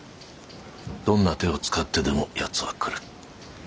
どんな手を使ってでも奴は来る。